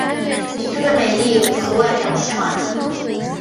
她的美丽和外表是话题。